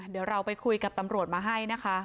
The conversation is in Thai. เดี๋ยวเราไปคุยกับตำรวจมาให้นะคะ